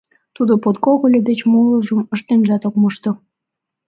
Тудо подкогыльо деч молыжым ыштенжат ок мошто.